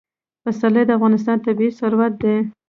پسرلی د افغانستان طبعي ثروت دی.